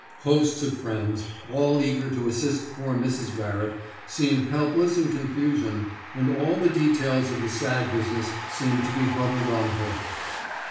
Hosts of friends, all eager to assist poor Mrs. Barrett, seem helpless in confusion, and all the details of the sad business seem to be huddled on her